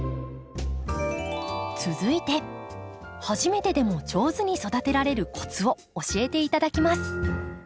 続いて初めてでも上手に育てられるコツを教えて頂きます。